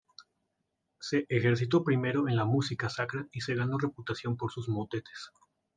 Se ejercitó primero en la música sacra y se ganó reputación por sus motetes.